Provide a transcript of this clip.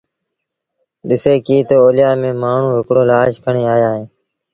ڏسي ڪيٚ تا اوليآ ميݩ مآڻهوٚٚݩ هڪڙو لآش کڻي آيآ اهيݩ